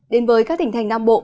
đến với các tỉnh thành nam bộ